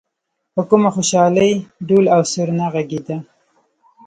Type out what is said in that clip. په کومه خوشالۍ ډول او سرنا غږېده.